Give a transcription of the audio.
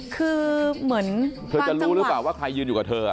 คือเหมือนเธอจะรู้หรือเปล่าว่าใครยืนอยู่กับเธอ